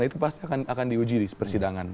itu pasti akan diuji di persidangan